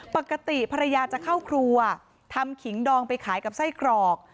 ปกติภรรยาจะเข้าครัวทำขิงดองไปขายกับไส้กรอก